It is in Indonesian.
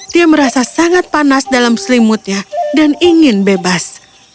dia merasa sangat panas dalam selimutnya dan ingin bebas